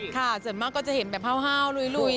ค่ะเสร็จมากก็จะเห็นแบบเห้าลุย